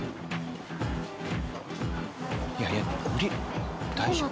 いやいや降り大丈夫？